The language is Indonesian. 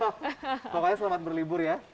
pokoknya selamat berlibur ya